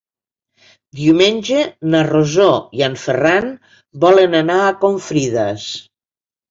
Diumenge na Rosó i en Ferran volen anar a Confrides.